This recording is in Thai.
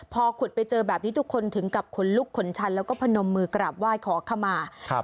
พอขุดไปเจอแบบนี้ทุกคนถึงกับขนลุกขนชันแล้วก็พนมมือกราบไหว้ขอขมาครับ